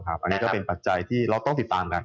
อันนี้ก็เป็นปัจจัยที่เราต้องติดตามกัน